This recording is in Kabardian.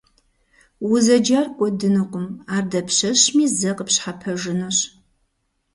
Узэджар кӀуэдынукъым, ар дапщэми зэ къыпщхьэпэжынущ.